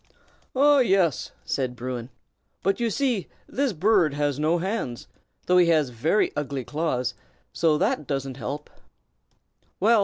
"Ah, yes!" said Bruin. "But you see this bird has no hands, though he has very ugly claws; so that doesn't help Well!"